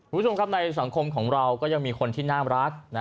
คุณผู้ชมครับในสังคมของเราก็ยังมีคนที่น่ารัก